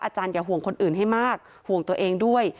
อย่าห่วงคนอื่นให้มากห่วงตัวเองด้วย